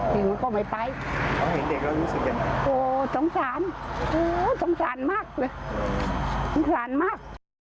สงสารมาก